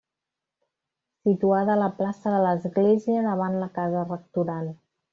Situada a la plaça de l'església, davant la casa rectoral.